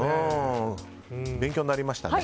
勉強になりましたね。